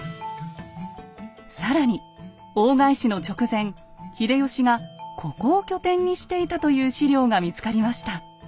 更に大返しの直前秀吉がここを拠点にしていたという史料が見つかりました。